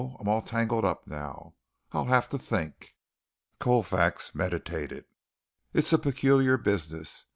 I'm all tangled up now. I'll have to think." Colfax meditated. "It's a peculiar business.